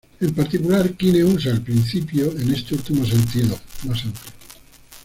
En particular, Quine usa el principio en este último sentido, más amplio.